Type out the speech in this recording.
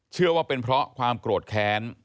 เชื่อว่าเป็นเพราะความโกรธแค้น